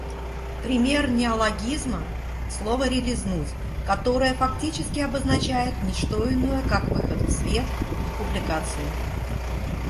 Пример неологизма — слово релизнуть, которое фактически обозначает ничто иное как выход в свет, публикацию.